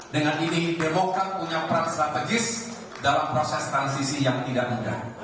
dengan ini demokrat punya peran strategis dalam proses transisi yang tidak mudah